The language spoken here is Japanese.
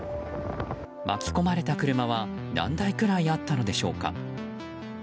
巻き込まれた車は何台くらいあったのでしょうか。